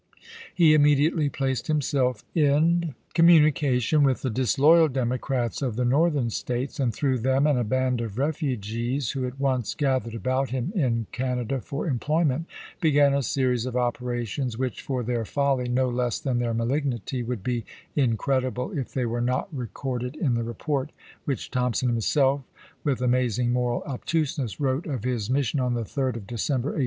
He immediately placed himself in com JUDAH P. BENJAMIX. CONSPIEACIES IN THE NORTH 17 munication with the disloyal Democrats of the chap.i. Northern States, and through them and a band of refugees who at once gathered about him in Can ada for employment, began a series of operations which, for their folly no less than their malignity, would be incredible if they were not recorded in the report which Thompson himself, with amazing moral obtuseness, wrote of his mission on the 3d of December, 1864.